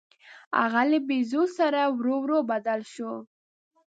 هغه له بیزو څخه ورو ورو بدل شو.